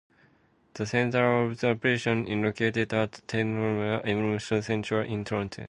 The center of operations in located at Teknobyen Innovation Centre in Trondheim.